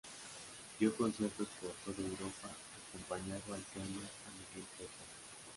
Dio conciertos por toda Europa acompañando al piano a Miguel Fleta.